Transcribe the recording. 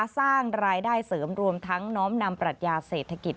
สร้างรายได้เสริมรวมทั้งน้อมนำปรัชญาเศรษฐกิจ